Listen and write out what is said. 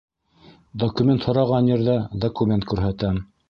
Документ һораған ерҙә документ күрһәтәм.